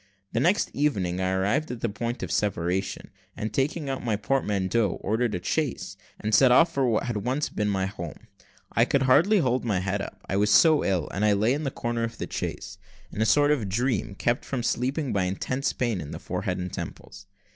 The next evening I arrived at the point of separation, and taking out my portmanteau, ordered a chaise, and set off for what once had been my home. I could hardly hold my head up, I was so ill, and I lay in a corner of the chaise, in a sort of dream, kept from sleeping from intense pain in the forehead and temples.